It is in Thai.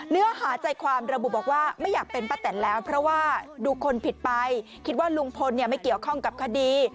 เนื้อหาใจความระบุบอกว่าไม่อยากเป็นป้าแตนแล้วเพราะว่าดูคนผิดไปคิดว่าลุงพลเนี่ยไม่เกี่ยวข้องกับคดี